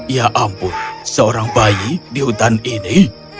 ya ampun seorang bayi di hutan ini